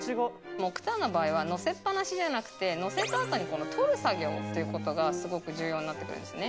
木炭の場合はのせっぱなしじゃなくてのせたあとにこの取る作業ということがスゴく重要になってくるんですね。